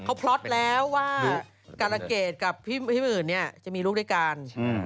เค้าพล็อตแล้วว่ากรรภ์เกรษกับพี่มึนจะมีลูกด้วยกัน